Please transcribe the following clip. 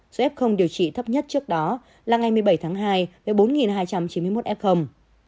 số ép công điều trị thấp nhất trước đó là ngày một mươi bảy tháng hai với bốn hai trăm chín mươi một ép công